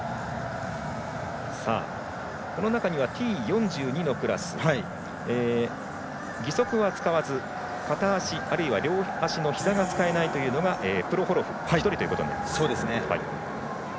この中にはＴ４２のクラス義足は使わず、片足、両足のひざが使えないというのがプロホロフプロホロフ１人ということになります。